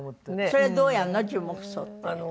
それどうやるの？